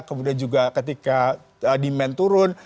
kemudian juga ketika demand turun